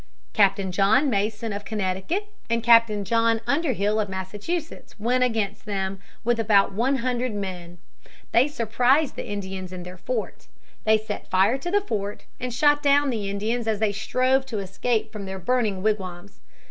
Captain John Mason of Connecticut and Captain John Underhill of Massachusetts went against them with about one hundred men. They surprised the Indians in their fort. They set fire to the fort, and shot down the Indians as they strove to escape from their burning wigwams.